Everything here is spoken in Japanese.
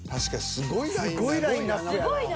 すごいラインアップやな。